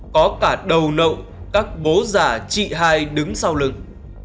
có cả đầu nậu các bố giả chị hai đứng sau lưng